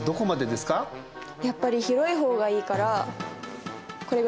やっぱり広い方がいいからこれぐらいかな。